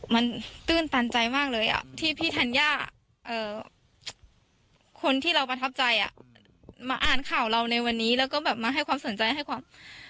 มันตื้นตันใจมากเลยที่พี่ธัญญาคนที่เราประทับใจมาอ่านข่าวเราในวันนี้แล้วก็แบบมาให้ความสนใจให้ความ